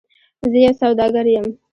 زه یو سوداګر یم .